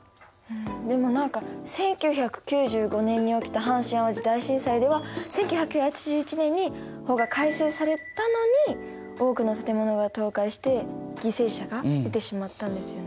でも何か１９９５年に起きた阪神・淡路大震災では１９８１年に法が改正されたのに多くの建物が倒壊して犠牲者が出てしまったんですよね。